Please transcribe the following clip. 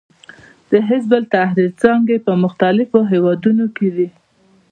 د حزب التحریر څانګې په مختلفو هېوادونو کې دي.